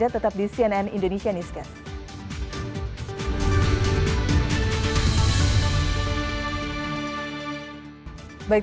tetap di cnn indonesia newscast